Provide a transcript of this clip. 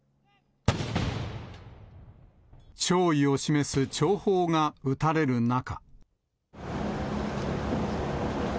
弔意を示す弔砲が撃たれる中。